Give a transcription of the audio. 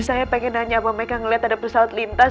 saya pengen nanya apa mereka ngeliat ada pesawat lintas